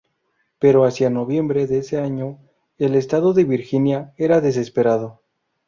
Pero hacia noviembre de ese año, el estado de Virginia era desesperado.